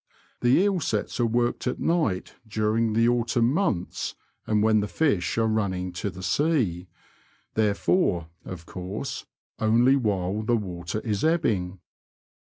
The eel sets are worked at night during the autmnn months, and when the fish are running to the sea ; therefore, of course* only while the water is ebbing."